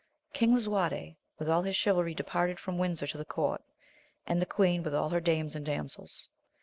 King Lisuarte with all his chivalry departed from Windsor to the court, and the queen with all her dames and damsels.